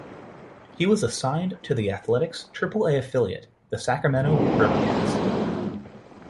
He was assigned to the Athletics' Triple-A affiliate, the Sacramento River Cats.